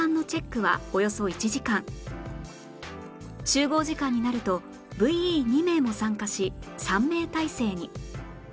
集合時間になると ＶＥ２ 名も参加し３名体制に